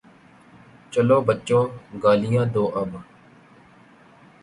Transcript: چلو بچو، گالیاں دو اب۔